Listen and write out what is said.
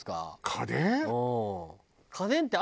家電？